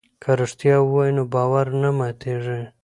که رښتیا ووایو نو باور نه ماتیږي.